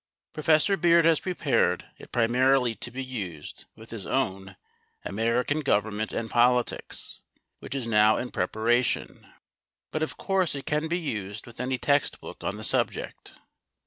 Prof. Beard has prepared it primarily to be used with his own "American Government and Politics," which is now in preparation, but of course it can be used with any text book on the subject.